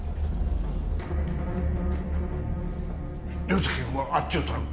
凌介君はあっちを頼む。